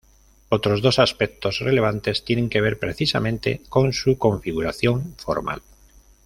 Otros dos aspectos relevantes tienen que ver precisamente con su configuración formal.